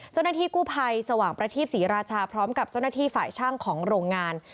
เจ้าหน้าที่กู้ภัยสว่างประทีปศรีราชาพร้อมกับเจ้าหน้าที่ฝ่ายช่างของโรงงาน